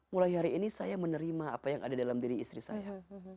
mulai hari ini saya menerima apa yang ada dalam diri istri saya